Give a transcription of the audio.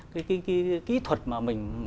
cái kỹ thuật mà mình